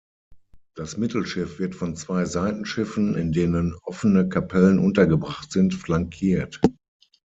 Das Mittelschiff wird von zwei Seitenschiffen, in denen offene Kapellen untergebracht sind, flankiert.